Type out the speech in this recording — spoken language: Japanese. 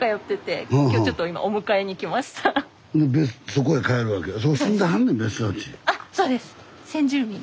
そこへ帰るわけや。